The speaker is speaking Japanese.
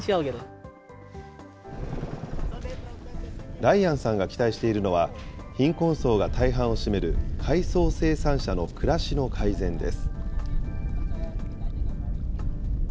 ライアンさんが期待しているのは、貧困層が大半を占める海藻生産者の暮らしの改善です。